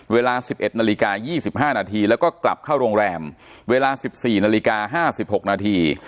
เวลา๑๑นาฬิกา๒๕นาทีแล้วก็กลับเข้าโรงแรมเวลา๑๔นาฬิกา๕๖นาที